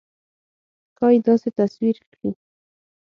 ښایي داسې تصویر کړي.